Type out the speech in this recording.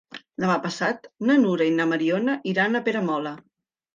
Demà passat na Nura i na Mariona iran a Peramola.